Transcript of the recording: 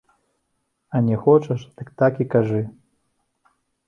А не хочаш, дык так і кажы.